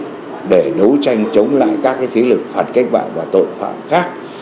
mạnh mẽ để đấu tranh chống lại các cái thí lực phản cách mạng và tội phạm khác